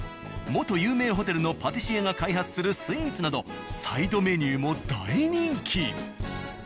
元有名ホテルのパティシエが開発するスイーツなどサイドメニューも大人気。